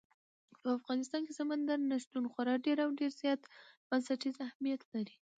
په افغانستان کې سمندر نه شتون خورا ډېر او ډېر زیات بنسټیز اهمیت لري.